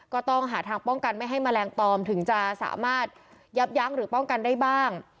ก็ต้องหาทางป้องกันไม่ให้แมลงตอมถึงจะสามารถยับยั้งหรือป้องกันได้บ้าง